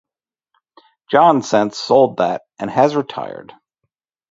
John since sold that and has retired.